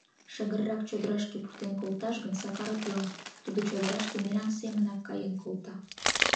Шыгыррак чодырашке пуртен колташ гын, Сакар утла: тудо чодыраште мераҥ семынак каен колта.